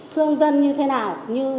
thương dân như thế nào